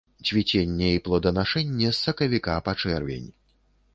Цвіценне і плоданашэнне з сакавіка па чэрвень.